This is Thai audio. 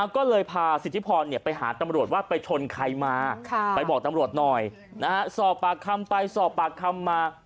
ก็เลยพาสิทธิพรไปหาตำรวจว่าไปชนใครมาไปบอกตำรวจหน่อยสอบปากคำไปสอบปากคำมา